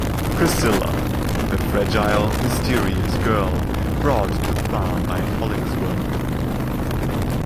Priscilla: A fragile, mysterious girl brought to the farm by Hollingsworth.